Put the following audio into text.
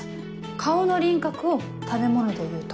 顔の輪郭を食べ物でいうと？